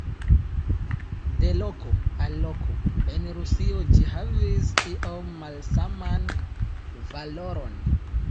De loko al loko en Rusio ĝi havis iom malsaman valoron.